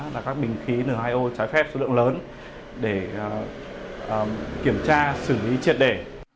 là các bình khí n hai o trái phép số lượng lớn để kiểm tra xử lý triệt đề